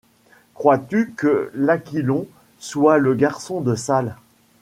Crois-tu que l’aquilon soit le garçon de salle